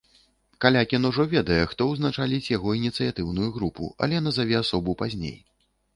Калякін ужо ведае, хто ўзначаліць яго ініцыятыўную групу, але назаве асобу пазней.